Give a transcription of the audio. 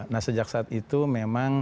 nah sejak saat itu memang